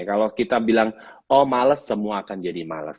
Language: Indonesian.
kalau kita bilang oh males semua akan jadi males